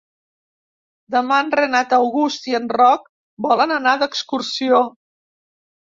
Demà en Renat August i en Roc volen anar d'excursió.